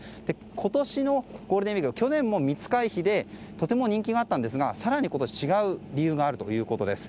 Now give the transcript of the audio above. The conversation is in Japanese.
今年のゴールデンウィークは去年も密回避でとても人気があったんですが今年は更に違う理由があるということです。